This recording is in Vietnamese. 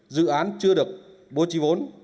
dự án chưa được bố trí vốn